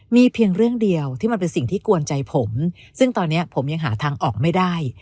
มีเพียงเรื่องเดียวที่มันเป็นสิ่งที่กวนใจผมซึ่งตอนนี้ผมยังหาทางออกไม่ได้